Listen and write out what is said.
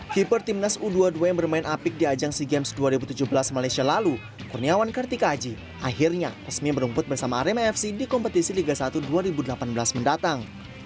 keeper timnas u dua puluh dua yang bermain apik di ajang sea games dua ribu tujuh belas malaysia lalu kurniawan kartika aji akhirnya resmi merumput bersama arema fc di kompetisi liga satu dua ribu delapan belas mendatang